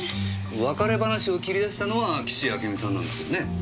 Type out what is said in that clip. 別れ話を切り出したのは岸あけみさんなんですよね？